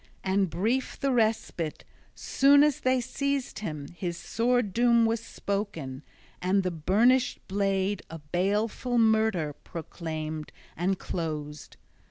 And brief the respite; soon as they seized him, his sword doom was spoken, and the burnished blade a baleful murder proclaimed and closed.